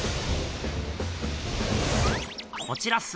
こちらっす。